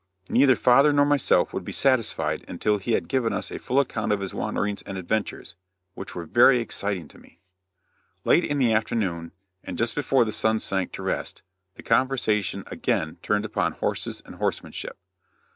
Neither father nor myself would be satisfied until he had given us a full account of his wanderings and adventures, which were very exciting to me. Late in the afternoon and just before the sun sank to rest, the conversation again turned upon horses and horsemanship.